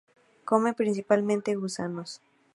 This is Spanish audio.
Come principalmente gusanos.